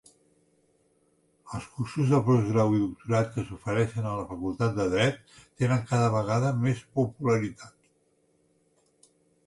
Els cursos de postgrau i doctorat que s'ofereixen a la Facultat de Dret tenen cada vegada més popularitat.